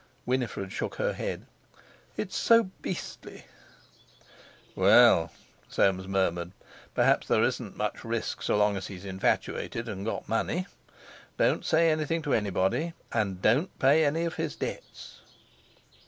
Winifred shook her head. "It's so beastly." "Well," Soames murmured, "perhaps there isn't much risk so long as he's infatuated and got money. Don't say anything to anybody, and don't pay any of his debts."